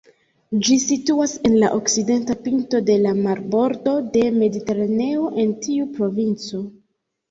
Ĝi situas en la okcidenta pinto de la marbordo de Mediteraneo en tiu provinco.